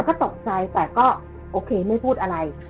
ก็ตกใจแต่ก็โอเคไม่พูดอะไร